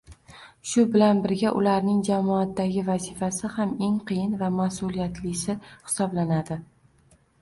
Shu bilan birga ularning jamoadagi vazifasi ham eng qiyin va ma’suliyatlisi hisoblanadi